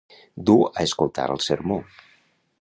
Dur a escoltar el sermó.